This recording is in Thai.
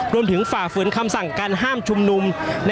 รวมถึงฝ่าเฝือนคำสั่งการห้ามชุมนุม